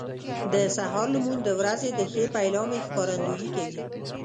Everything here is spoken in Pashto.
د سهار لمونځ د ورځې د ښې پیلامې ښکارندویي کوي.